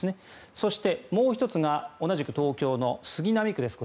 そして、もう１つが同じく東京の杉並区です。